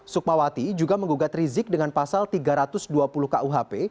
sukmawati juga menggugat rizik dengan pasal tiga ratus dua puluh kuhp